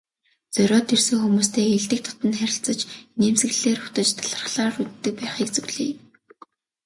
Зориод ирсэн хүмүүстэй эелдэг дотно харилцаж, инээмсэглэлээр угтаж, талархлаар үддэг байхыг зөвлөе.